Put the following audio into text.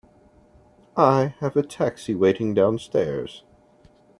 I have a taxi waiting downstairs.